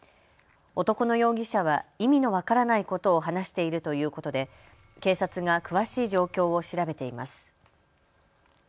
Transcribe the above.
男の容疑者は意味の分からないことを話しているということで警察が詳しい状況を調べています。